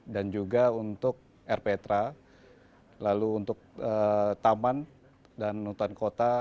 dan juga untuk rptra lalu untuk taman dan hutan kota